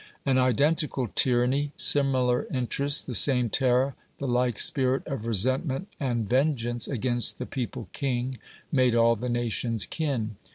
An identical tyranny, similar interests, the same terror, the like spirit of resentment and vengeance against the people king, made all the nations kin.